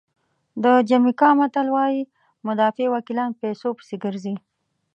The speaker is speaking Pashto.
د جمیکا متل وایي مدافع وکیلان پیسو پسې ګرځي.